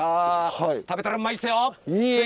食べたらうまいですよ！